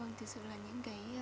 vâng thực sự là những cái